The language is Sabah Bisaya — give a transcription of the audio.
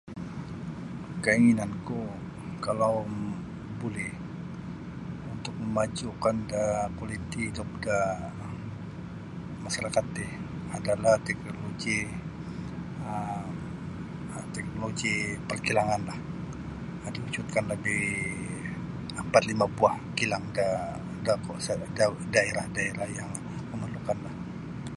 Keinginan ku kalau buli untuk mamajukan da kualiti hidup da masyarakat ti adalah teknologi um teknologi perkilanganlah diwujudkan lebih ampat lima buah kilang da kawasan da daerah-daerah yang memerlukanlah.